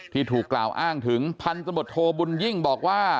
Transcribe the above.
ที่ถูกกล่าวอ้างถึงพันธบทโทบุญยิ่งบอกว่า